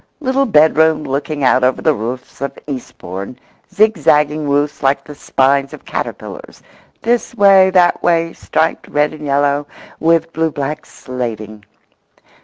little bedroom looking out over the roofs of Eastbourne—zigzagging roofs like the spines of caterpillars, this way, that way, striped red and yellow, with blue black slating].